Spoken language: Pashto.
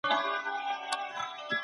په ادارو کي باید د وخت درناوی وسي.